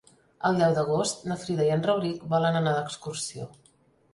El deu d'agost na Frida i en Rauric volen anar d'excursió.